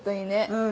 うん。